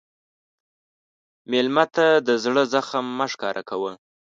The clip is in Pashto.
مېلمه ته د زړه زخم مه ښکاره کوه.